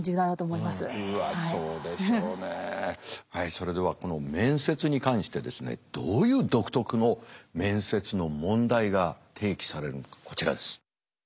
それではこの面接に関してですねどういう独特の面接の問題が提起されるのかこちらです。